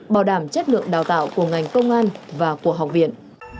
bảo đảm chất lượng đào tạo của ngành công an và của học viện